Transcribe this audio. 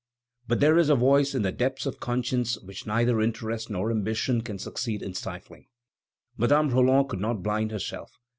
But there is a voice in the depths of conscience which neither interest nor ambition can succeed in stifling. Madame Roland could not blind herself.